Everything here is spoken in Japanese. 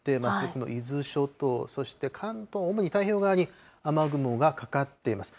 この伊豆諸島、そして関東、おもに太平洋側に雨雲がかかっています。